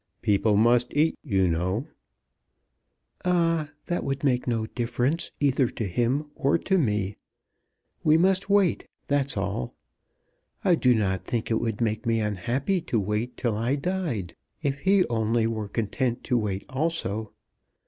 "People must eat, you know." "Ah; that would make no difference either to him or to me. We must wait, that's all. I do not think it would make me unhappy to wait till I died, if he only were content to wait also.